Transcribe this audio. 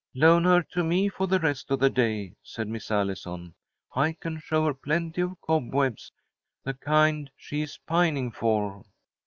"Loan her to me for the rest of the day," said Miss Allison. "I can show her plenty of cobwebs, the kind she is pining for."